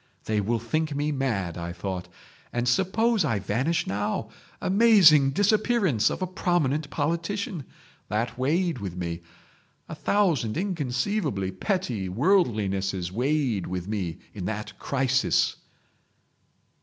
'They will think me mad,' I thought. 'And suppose I vanish now!—Amazing disappearance of a prominent politician!' That weighed with me. A thousand inconceivably petty worldlinesses weighed with me in that crisis."